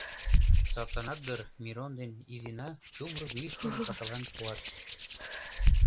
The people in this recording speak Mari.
Садланак дыр Мирон ден Изина чумыр вийыштым пашалан пуат.